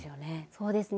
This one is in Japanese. そうですね。